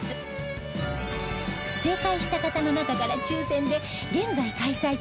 正解した方の中から抽選で現在開催中